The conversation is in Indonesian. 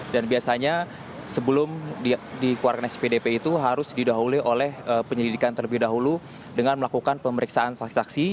dan biasanya sebelum dikeluarkan spdp itu harus didahului oleh penyelidikan terlebih dahulu dengan melakukan pemeriksaan saksi saksi